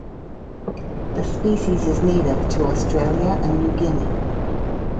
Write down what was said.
The species is native to Australia and New Guinea.